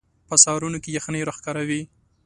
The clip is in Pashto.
په سهارونو کې یخنۍ راښکاره وي